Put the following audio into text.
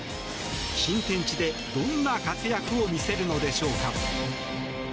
新天地で、どんな活躍を見せるのでしょうか。